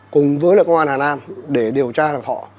cùng với công an hà nam để điều tra đặc thọ